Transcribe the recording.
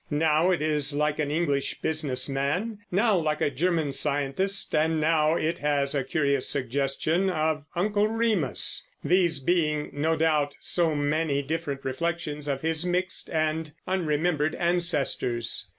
Now it is like an English business man, now like a German scientist, and now it has a curious suggestion of Uncle Remus, these being, no doubt, so many different reflections of his mixed and unremembered ancestors.